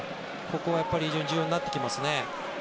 ここは非常に重要になってきますね。